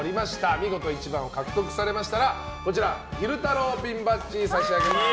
見事１番を獲得されましたら昼太郎ピンバッジを差し上げます。